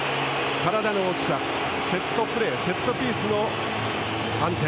体の大きさ、セットプレーセットピースの安定